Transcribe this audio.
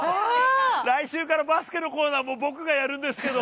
来週からバスケのコーナーももう僕がやるんですけど。